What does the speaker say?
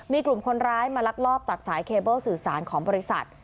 มีกลุ่มคนร้ายมาลักลอบตัดสายเคเบิ้ลสื่อสารของบริษัท